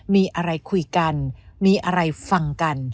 มีอะไรคุยกันมีอะไรฟังกัน